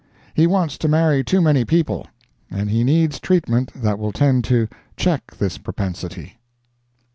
He wants to marry too many people; and he needs treatment that will tend to check this propensity.